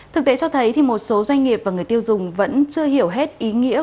thực tế cho thấy một số doanh nghiệp và người tiêu dùng vẫn chưa hiểu hết ý nghĩa